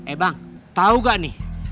eh bang tau gak nih